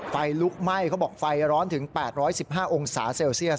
ไฟลุกไหม้เขาบอกไฟร้อนถึง๘๑๕องศาเซลเซียส